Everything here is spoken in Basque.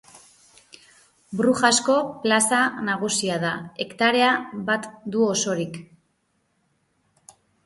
Brujasko plaza nagusia da; hektarea bat du osorik.